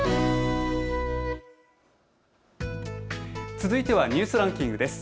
続いてはニュースランキングです。